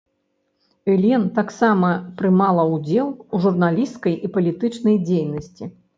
Элен таксама прымала ўдзел у журналісцкай і палітычнай дзейнасці.